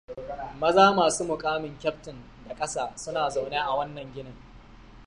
Maza masu muƙamin kyaftin da ƙasa suna zaune a wannan ginin.